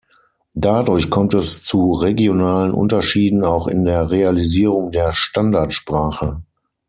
Dadurch kommt es zu regionalen Unterschieden auch in der Realisierung der Standardsprache.